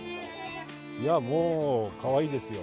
もう、かわいいですよ。